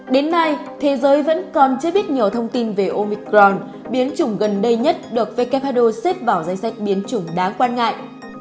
đến nay thế giới vẫn còn chưa biết nhiều thông tin về omicron biến chủng gần đây nhất được who xếp vào danh sách biến chủng đáng quan ngại